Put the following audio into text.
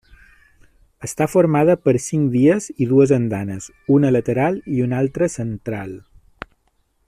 Està formada per cinc vies i dues andanes, una lateral i una altra central.